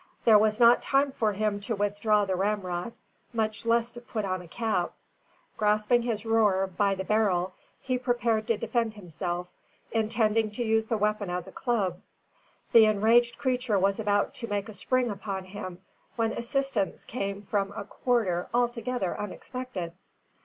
There was not time for him to withdraw the ramrod, much less to put on a cap. Grasping his roer by the barrel, he prepared to defend himself, intending to use the weapon as a club. The enraged creature was about to make a spring upon him, when assistance came from a quarter altogether unexpected.